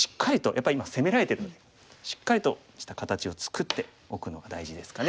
やっぱり今攻められてるのでしっかりとした形を作っておくのが大事ですかね。